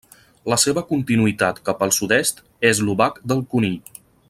La seva continuïtat cap al sud-est és l'Obac del Conill.